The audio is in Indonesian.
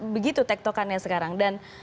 begitu tek tokannya sekarang dan